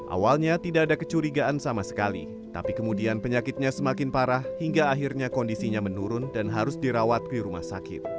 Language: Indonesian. awalnya tidak ada kecurigaan sama sekali tapi kemudian penyakitnya semakin parah hingga akhirnya kondisinya menurun dan harus dirawat di rumah sakit